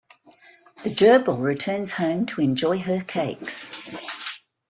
The gerbil returns home to enjoy her cakes.